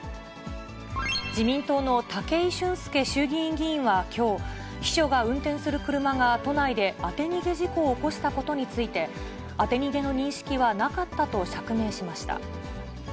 自民党の武井俊輔衆議院議員はきょう、秘書が運転する車が都内で当て逃げ事故を起こしたことについて、当て逃げの認識はなかったと釈明しました。